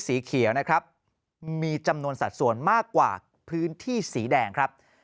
สีเขียวนะครับมีจำนวนสัดส่วนมากกว่าพื้นที่สีแดงครับ